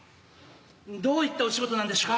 どういったお仕事なんでしゅか？